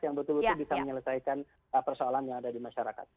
yang betul betul bisa menyelesaikan persoalan yang ada di masyarakat